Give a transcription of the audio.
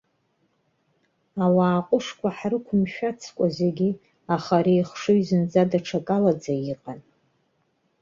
Ауаа ҟәышқәа ҳрықәымшәацкәа зегьы, аха ари ихшыҩ зынӡа даҽакалаӡа иҟан.